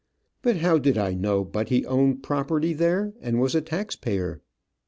But how did I know but he owned property there, and was a tax payer.